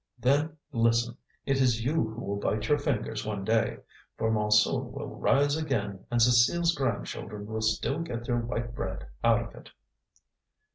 Then, listen, it is you who will bite your fingers one day, for Montsou will rise again and Cécile's grandchildren will still get their white bread out of it."